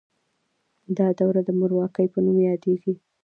دا دوره د مورواکۍ په نوم یادیده.